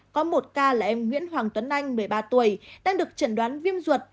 có một ca là em nguyễn hoàng tuấn anh một mươi ba tuổi đang được chẩn đoán viêm ruột